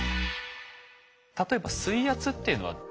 例えば水圧っていうのは？